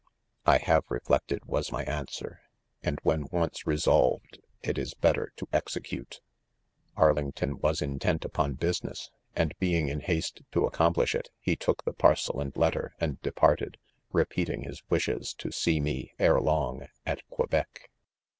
I have reflected, was my answer, and when once resolved it is better to execute. ' Arlington was intent upon business 5 and being in haste to accomplish it, he took the parcel and letter and departed, repeating his wishes to see me, erelong, at Quebec.